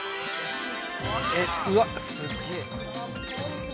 うわ、すっげえ。